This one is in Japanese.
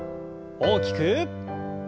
大きく。